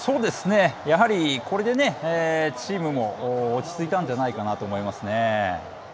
やはりこれでチームも落ち着いたんじゃないかなと思いますね。